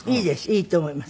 いいと思います。